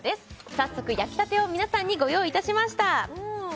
早速焼きたてを皆さんにご用意いたしました